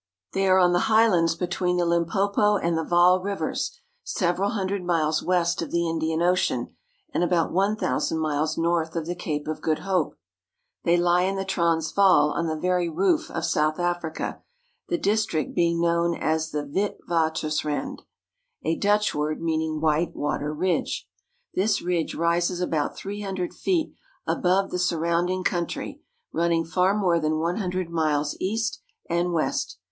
They are on the highlands between the Lim popo and the Vaal rivers, several hundred miles west of the Indian Ocean, and about one thousand miles north of the Cape of Good Hope. They lie in the Transvaal on the very roof of South Africa, the district being known as the Witwatersrand (vlt va'ters rant), a Dutch word meaning "white water ridge." This ridge rises about three hundred feet above the surrounding country, running for more than one hundred miles east and west.